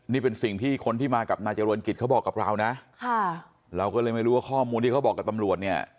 นี่เป็นสิ่งที่คนที่มากับนายเจริญกิจเขาบอกกับเรานะค่ะเราก็เลยไม่รู้ว่าข้อมูลที่เขาบอกกับตำรวจเนี่ย